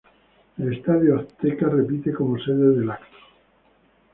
El Estadio Azteca repite como sede del evento.